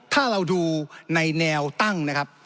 ถ้าเราดูในแนวตั้งนะครับ